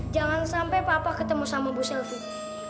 jangan sampai papa ketemu sama bu sylvi